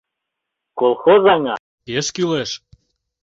Колхоз аҥа — пеш кӱлеш!